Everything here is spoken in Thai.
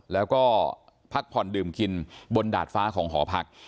แล้วก็พักผ่อนดื่มกินบนดาดฟ้าของหอพัก